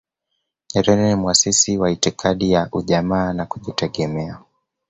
nyerere ni mwasisi wa itikadi ya ujamaa na kujitegemea